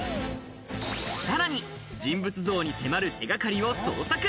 さらに人物像に迫る手掛かりを捜索。